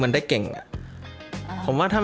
มันได้เก่งอ่ะผมว่าถ้ามัน